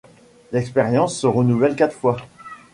L’expérience se renouvelle quatre fois.